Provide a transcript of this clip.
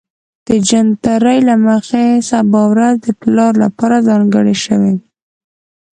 د جنتري له مخې سبا ورځ د پلار لپاره ځانګړې شوې